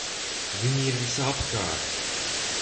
Viņi ir visapkārt!